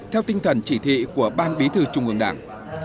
theo tinh thần chỉ thị của ban bí thư trung ương đảng